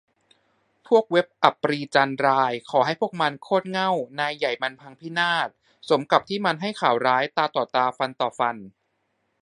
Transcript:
พวกเว็บอัปรีย์จันราย ขอให้พวกมัน โคตรเหง้า นายใหญ่มันจงพินาศสมกับที่มันให้ข่าวร้าย ตาต่อตา ฟันต่อฟัน